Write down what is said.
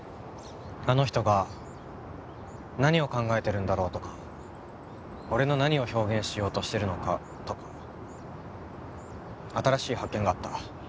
あの人が何を考えてるんだろうとか俺の何を表現しようとしてるのかとか新しい発見があった